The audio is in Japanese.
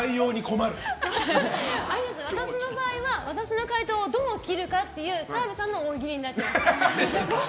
私の場合は、私の回答をどう切るかっていう澤部さんの大喜利になってます。